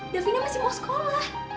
davina masih mau sekolah